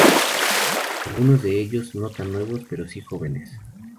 Algunos de ellos no tan nuevos, pero sí jóvenes.